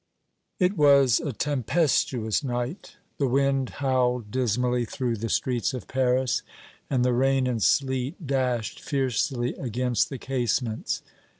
It was a tempestuous night. The wind howled dismally through the streets of Paris, and the rain and sleet dashed fiercely against the casements.